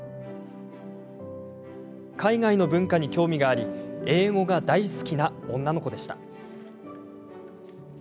海外の文化に興味があり英語が大好きな女の子でした。